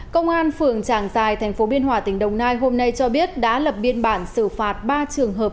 công an phường trảng giài tp biên hòa tỉnh đồng nai hôm nay cho biết đã lập biên bản xử phạt ba trường hợp